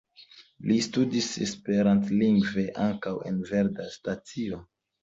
Li ludis esperantlingve ankaŭ en Verda Stacio.